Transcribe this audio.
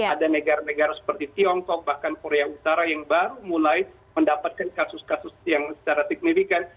ada negara negara seperti tiongkok bahkan korea utara yang baru mulai mendapatkan kasus kasus yang secara signifikan